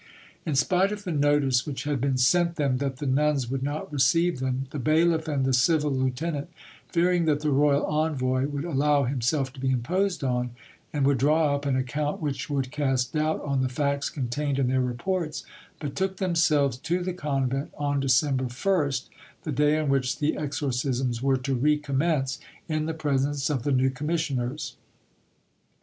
In spite of the notice which had been sent them that the nuns would not receive them, the bailiff and the civil lieutenant fearing that the royal envoy would allow himself to be imposed on, and would draw up an account which would cast doubt on the facts contained in their reports, betook themselves to the convent on December 1st, the day on which the exorcisms were to recommence, in the presence of the new commissioners.